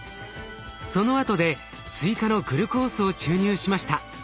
そのあとで追加のグルコースを注入しました。